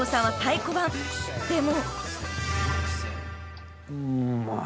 ［でも］